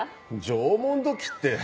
縄文土器って。